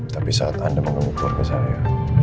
tapi saat anda mengumpur ke saya